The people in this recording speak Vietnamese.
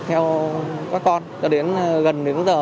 theo các con cho đến gần đến giờ